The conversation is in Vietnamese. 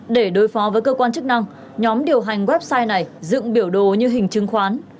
để đối phó với cơ quan chức năng nhóm điều hành website này dựng biểu đồ như hình chứng khoán